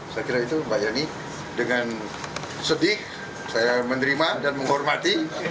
saya kira itu mbak yeni dengan sedih saya menerima dan menghormati